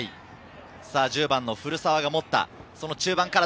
１０番の古澤が持った。